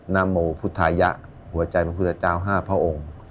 นามมพุธภายะหัวใจมันพุทธเจ้าห้าพ่อองค์